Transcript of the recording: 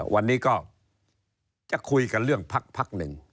วันนี้ก็จะคุยกันเรื่องภักดิ์ภักดิ์หนึ่ง